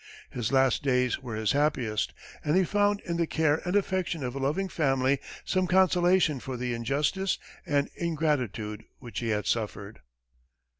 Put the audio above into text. His last days were his happiest, and he found in the care and affection of a loving family some consolation for the injustice and ingratitude which he had suffered.